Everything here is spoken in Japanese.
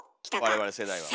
我々世代は。